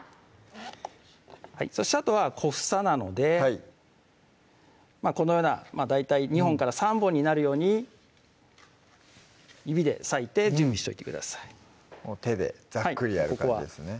そしてあとは小房なのでこのような大体２本から３本になるように指で割いて準備しといてください手でざっくりやる感じですね